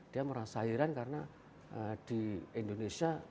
dia merasa heran karena di indonesia